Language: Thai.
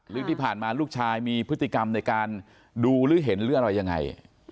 หรือที่ผ่านมาลูกชายมีพฤติกรรมในการดูหรือเห็นหรืออะไรยังไง